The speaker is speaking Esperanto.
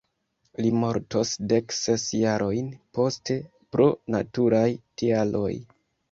Li mortos dek ses jarojn poste pro naturaj tialoj.